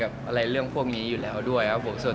อาจจะไม่ถึงขนาดนั้น